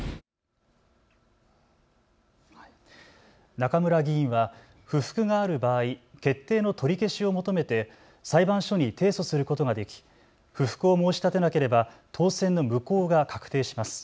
中村議員は不服がある場合、決定の取り消しを求めて裁判所に提訴することができ、不服を申し立てなければ当選の無効が確定します。